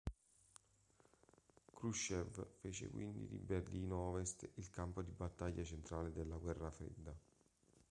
Chruščёv fece quindi di Berlino Ovest il campo di battaglia centrale della guerra fredda.